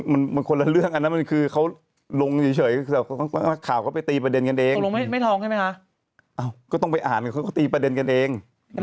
มันคนละเรื่องอันนั้นมันคือเขาลงเฉยข่าวก็ไปตีประเด็นกันเอง